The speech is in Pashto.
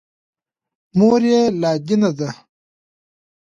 مور یې لادینه ده.